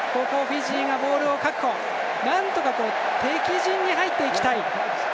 なんとか敵陣に入っていきたい。